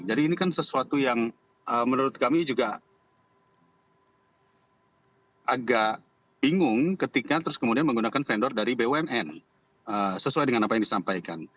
jadi ini kan sesuatu yang menurut kami juga agak bingung ketika terus kemudian menggunakan vendor dari bumn sesuai dengan apa yang disampaikan